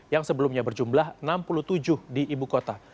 yang sebelumnya berjumlah enam puluh tujuh di ibu kota